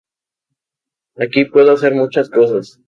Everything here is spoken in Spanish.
Aquí puedo hacer muchas cosas.